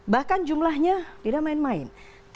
bahkan jumlahnya tidak main main